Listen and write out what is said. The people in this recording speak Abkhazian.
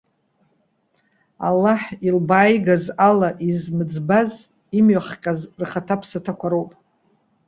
Аллаҳ илбааигаз ала измыӡбаз, имҩахҟьаз рхаҭаԥсаҭақәа роуп.